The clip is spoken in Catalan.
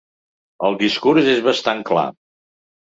El discurs és bastant clar.